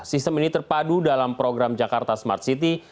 sistem ini terpadu dalam program jakarta smart city